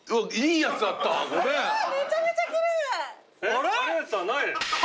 あれ？